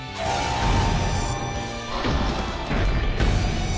あっ。